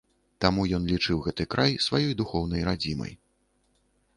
Таму ён лічыў гэты край сваёй духоўнай радзімай.